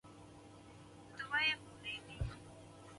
د افغانستان د شاته پاتې والي یو ستر عامل د ښځو تعلیمي محدودیتونه دي.